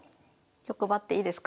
欲張っていいですか？